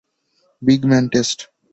Big man TET.